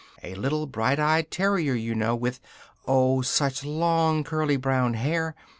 A little bright eyed terrier, you know, with oh! such long curly brown hair!